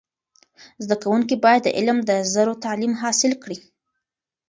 زده کوونکي باید د علم د زرو تعلیم حاصل کړي.